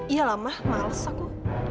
iya lah mah males aku